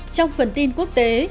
trong phần tin quốc tế